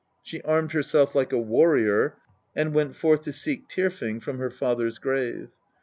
She armed herself like a warrior, and went forth to seek Tyrfing from her father's grave.